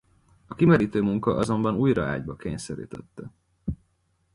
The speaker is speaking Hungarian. A kimerítő munka azonban újra ágyba kényszerítette.